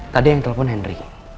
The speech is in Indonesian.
tadi yang telpon henry